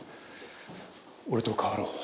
俺と代わろう。